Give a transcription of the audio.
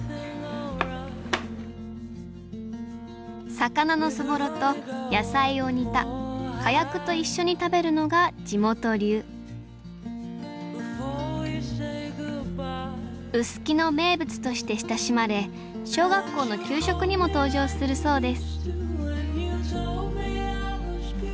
魚のそぼろと野菜を煮たかやくと一緒に食べるのが地元流臼杵の名物として親しまれ小学校の給食にも登場するそうです